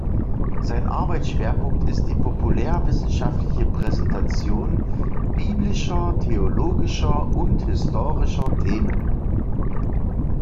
Sein Arbeitsschwerpunkt ist die populärwissenschaftliche Präsentation biblischer, theologischer und historischer Themen.